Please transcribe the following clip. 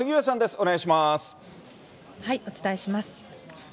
お伝えします。